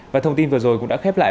và thông tin vừa rồi cũng đã khép lại